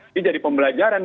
ini jadi pembelajaran